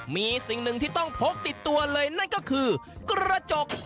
มีสิ่งหนึ่งที่ต้องพกติดตัวเลยนั่นก็คือกระจก